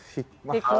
ini sudah diperjuangkan